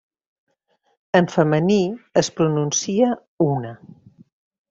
En femení es pronuncia una.